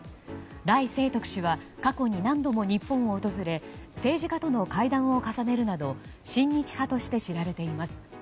ライ・セイトク氏は過去に何度も日本を訪れ政治家との会談を重ねるなど親日派として知られています。